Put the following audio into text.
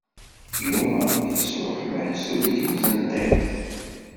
Yuba yesṛuḥ meḥsub yiwet n tiṭ.